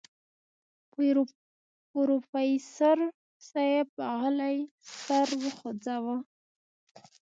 پروفيسر صيب غلی سر وخوځوه.